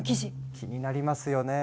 気になりますよねえ